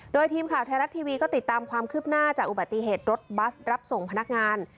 โดยทีมข่าวไทยรัฐทีวีก็ติดตามความคืบหน้าจากอุบัติเหตุรถบัสรับส่งพนักงาน